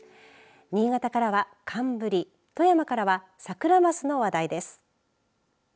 新潟からは寒ブリ富山からはサクラマスの話題です。